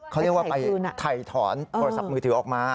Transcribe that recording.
เขาเรียกว่าไปถ่ายถอนโทรศัพท์มือถือออกมา